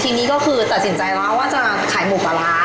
ทีนี้ก็คือตัดสินใจแล้วว่าจะขายหมูปลาร้า